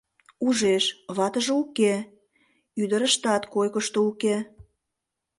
Ужеш: ватыже уке, ӱдырыштат койкышто уке.